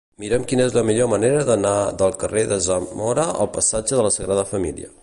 Mira'm quina és la millor manera d'anar del carrer de Zamora al passatge de la Sagrada Família.